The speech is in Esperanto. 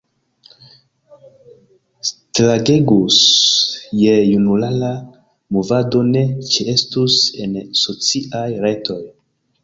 Strangegus se junulara movado ne ĉeestus en sociaj retoj.